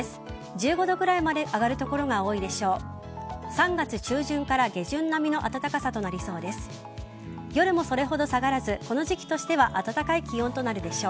１５度ぐらいまで上がる所が多いでしょう。